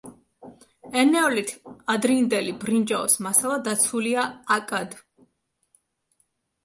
ენეოლით-ადრინდელი ბრინჯაოს მასალა დაცულია აკად.